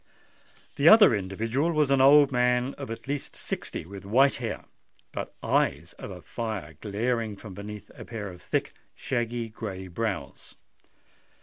The other individual was an old man, of at least sixty, with white hair, but eyes of fire glaring from beneath a pair of thick, shaggy grey brows.